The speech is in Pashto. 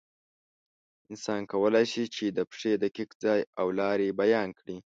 انسان کولی شي، چې د پېښې دقیق ځای او لارې بیان کړي.